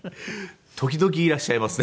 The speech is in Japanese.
時々いらっしゃいますね。